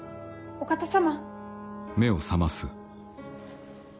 ・お方様。